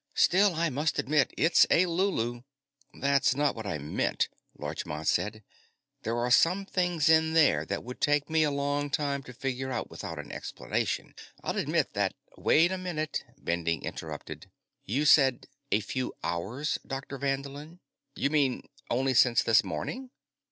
Still, I must admit it's a lulu." "That's not what I meant," Larchmont said. "There are some things in there that would take a long time to figure out without an explanation. I'll admit that " "Wait a minute," Bending interrupted. "You said 'a few hours', Dr. Vanderlin. You mean only since this morning?"